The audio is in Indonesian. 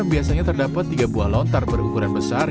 biasanya terdapat tiga buah lontar berukuran besar